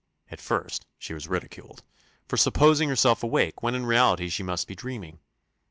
At first she was ridiculed "for supposing herself awake when in reality she must be dreaming."